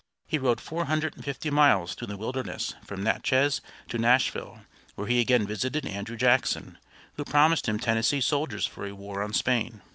He rode four hundred and fifty miles through the wilderness from Natchez to Nashville, where he again visited Andrew Jackson, who promised him Tennessee soldiers for a war on Spain.